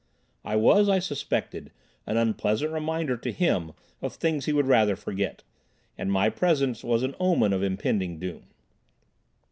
I was, I suspected, an unpleasant reminder to him of things he would rather forget, and my presence was an omen of impending doom.